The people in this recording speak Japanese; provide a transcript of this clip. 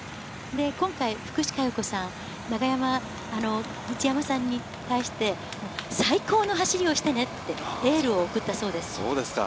今回、福士加代子さん、一山さんに対して、最高の走りをしてねってエールを送ったそうです。